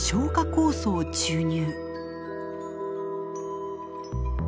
酵素を注入。